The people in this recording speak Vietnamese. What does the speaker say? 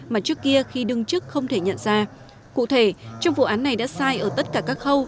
mà trước kia khi đứng trước không thể nhận ra cụ thể trong vụ án này đã sai ở tất cả các khâu